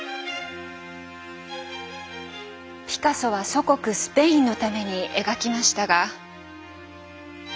ピカソは祖国スペインのために描きましたが。